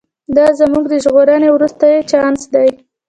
دا زموږ د ژغورنې وروستی چانس دی.